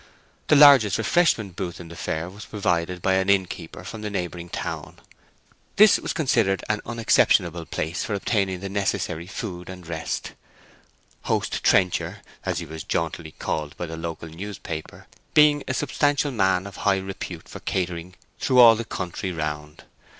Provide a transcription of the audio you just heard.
The largest refreshment booth in the fair was provided by an innkeeper from a neighbouring town. This was considered an unexceptionable place for obtaining the necessary food and rest: Host Trencher (as he was jauntily called by the local newspaper) being a substantial man of high repute for catering through all the country round.